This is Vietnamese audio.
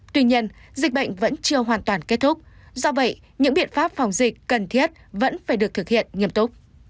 tuy nhiên dịch bệnh vẫn chưa hoàn toàn kết thúc do vậy những biện pháp phòng dịch cần thiết vẫn phải được thực hiện nghiêm túc